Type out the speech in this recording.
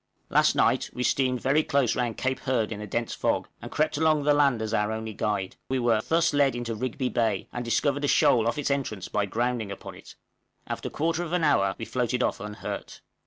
Last night we steamed very close round Cape Hurd in a dense fog, and crept along the land as our only guide: we were thus led into Rigby Bay, and discovered a shoal off its entrance by grounding upon it. After a quarter of an hour we floated off unhurt.